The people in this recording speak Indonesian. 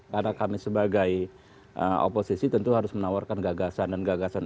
karena kami sebagai oposisi tentu harus menawarkan gagasan